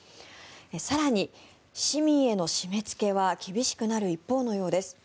更に、市民への締めつけは厳しくなる一方のようです。